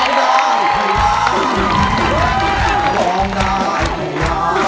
ได้แล้ว